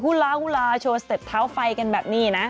ล้าฮุลาโชว์สเต็ปเท้าไฟกันแบบนี้นะ